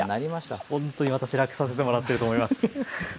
いやほんとに私楽させてもらってると思います。